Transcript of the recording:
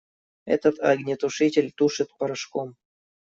Этот огнетушитель тушит порошком.